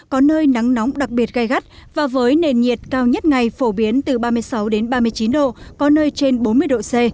có nơi nắng nóng đặc biệt gai gắt và với nền nhiệt cao nhất ngày phổ biến từ ba mươi sáu ba mươi chín độ có nơi trên bốn mươi độ c